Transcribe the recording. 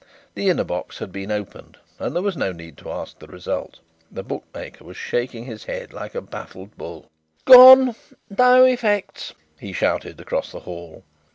The inner box had been opened and there was no need to ask the result. The bookmaker was shaking his head like a baffled bull. "Gone, no effects," he shouted across the hall.